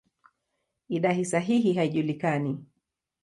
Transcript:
Idadi sahihi haijulikani.